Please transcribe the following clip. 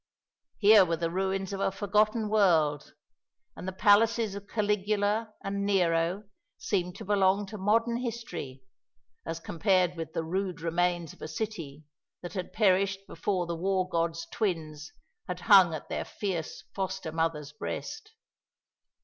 Here were the ruins of a forgotten world; and the palaces of Caligula and Nero seemed to belong to modern history, as compared with the rude remains of a city that had perished before the War God's twins had hung at their fierce foster mother's breast.